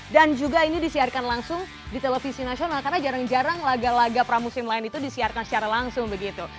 dan juga ini disiarkan langsung di televisi nasional karena jarang jarang laga laga pramusim lain itu disiarkan secara langsung begitu